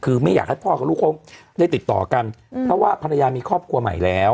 คือไม่อยากให้พ่อกับลูกเขาได้ติดต่อกันเพราะว่าภรรยามีครอบครัวใหม่แล้ว